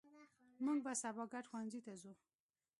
مونږ به سبا ګډ ښوونځي ته ځو